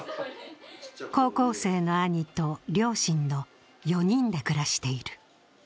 高校生の兄と両親の４人で暮らしている。